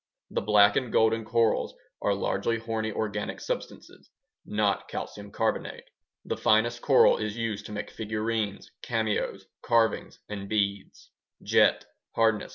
The black and golden corals are largely horny organic substances, not calcium carbonate. The finest coral is used to make figurines, cameos, carvings, and beads. Jet (hardness: 2.